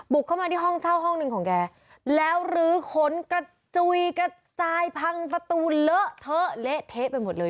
เข้ามาที่ห้องเช่าห้องหนึ่งของแกแล้วลื้อค้นกระจุยกระจายพังประตูเลอะเทอะเละเทะไปหมดเลย